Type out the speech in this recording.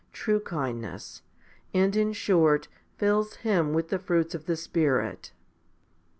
true kindness, and in short fills him with the fruits of the Spirit.